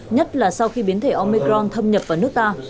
nhất là sau khi biến thể omecron thâm nhập vào nước ta